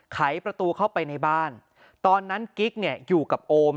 ไขประตูเข้าไปในบ้านตอนนั้นกิ๊กเนี่ยอยู่กับโอม